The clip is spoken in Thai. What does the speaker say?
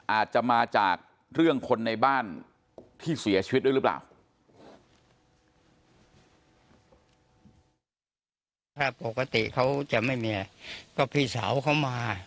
อาจจะมาจากเรื่องคนในบ้านที่เสียชีวิตด้วยหรือเปล่า